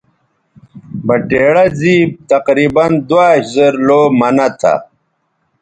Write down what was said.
بٹیڑہ زِیب تقریباً دواش زر لَو منہ تھا